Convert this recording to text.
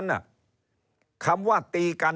เริ่มตั้งแต่หาเสียงสมัครลง